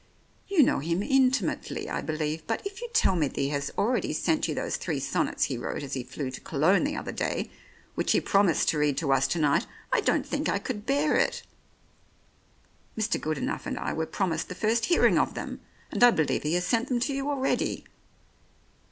You know him intimately, 99 The Oriolists I believe, but if you tell me that he has already sent you those three sonnets he wrote as he flew to Cologne the other day, which he promised to read us to night, I don't think I could bear it. Mr. Good enough and I were promised the first hearing of them, and I believe he has sent them to you already."